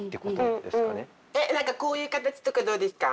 何かこういう形とかどうですか？